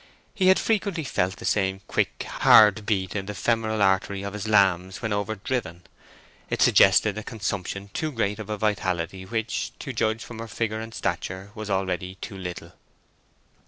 He had frequently felt the same quick, hard beat in the femoral artery of his lambs when overdriven. It suggested a consumption too great of a vitality which, to judge from her figure and stature, was already too little.